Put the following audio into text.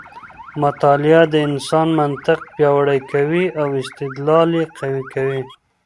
مطالعه د انسان منطق پیاوړی کوي او استدلال یې قوي کوي.